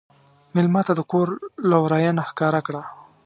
مېلمه ته د کور لورینه ښکاره کړه.